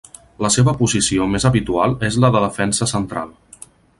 La seva posició més habitual és la de defensa central.